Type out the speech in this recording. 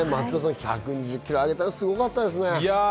１２０ｋｇ上げたのすごかったですね。